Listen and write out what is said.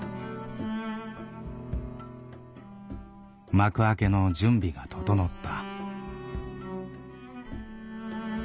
幕開けの準備が整った。